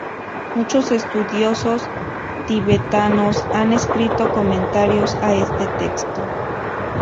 Muchos estudiosos tibetanos han escrito comentarios a este texto.